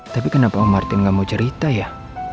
tapi kenapa martin gak mau cerita ya